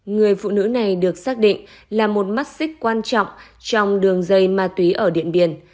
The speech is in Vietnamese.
người phụ nữ này được xác định là một mắt xích quan trọng trong đường dây ma túy ở điện biên